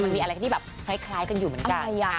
มันมีอะไรที่แบบคล้ายกันอยู่เหมือนกัน